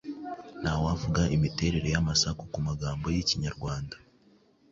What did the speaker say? Ntawavuga imiterere y’amasaku ku magambo y’Ikinyarwanda,